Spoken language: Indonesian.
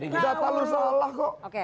tidak terlalu salah kok